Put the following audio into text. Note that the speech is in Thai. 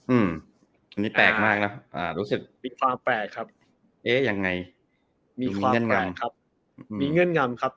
อืมอันนี้แปลกมากนะอ่ารู้สึกมีความแปลกครับเอ๊ะยังไงมีความงามครับมีเงื่อนงำครับ